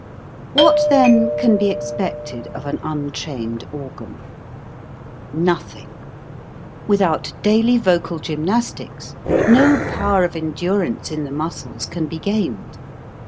What, then, can be expected of an un trained organ ? Nothing ! Without daily vocal gymnastics no power of endurance in the muscles can be gained.